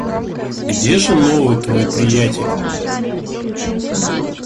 Где же новый твой приятель?